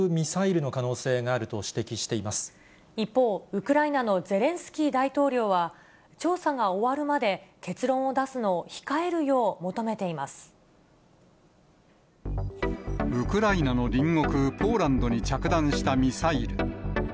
ウクライナの隣国、キー大統領は、調査が終わるまで、結論を出すのは控えるよう求めてウクライナの隣国、ポーランドに着弾したミサイル。